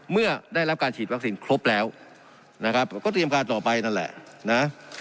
เมื่อได้รับการฉีดวัคซีนครบแล้วนะครับก็เตรียมการต่อไปนั่นแหละนะ